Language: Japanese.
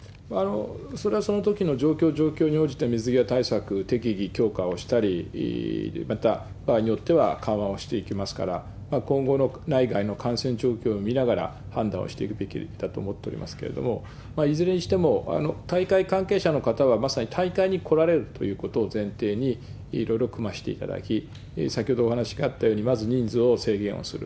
それはそのときの状況状況に応じて、水際対策、適宜強化をしたり、また場合によっては緩和をしていきますから、今後の内外の感染状況を見ながら、判断をしていくべきだと思っておりますけれども、いずれにしても大会関係者の方は、まさに大会に来られるということを前提にいろいろ組ましていただき、先ほどお話があったように、まず人数を制限をする。